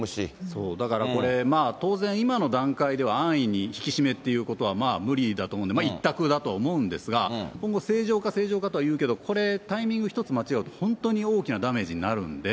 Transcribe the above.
そう、だからこれ、当然、今の段階では安易に引き締めっていうことは、まあ無理だと思うので、一択だと思うんですが、今後、正常化、正常化とは言うけれど、これ、タイミング一つ間違うと本当に大きなダメージになるんで。